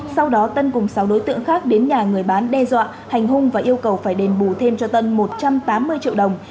sau đó tân cùng sáu đối tượng khác đến nhà người bán đe dọa hành hung và yêu cầu phải đền bù thêm cho tân một trăm tám mươi triệu đồng